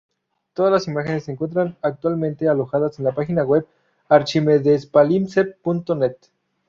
Todas las imágenes se encuentran actualmente alojadas en la página web archimedespalimpsest.net.